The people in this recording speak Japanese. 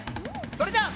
それじゃあ。